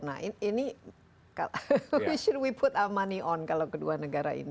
nah ini we should put our money on kalau kedua negara ini